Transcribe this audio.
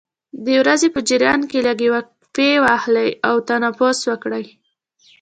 د ورځې په جریان کې لږې وقفې واخلئ او تنفس وکړئ.